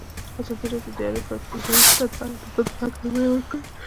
ازادي راډیو د اداري فساد په اړه د ښځو غږ ته ځای ورکړی.